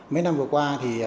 mấy năm vừa qua